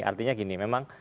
artinya gini memang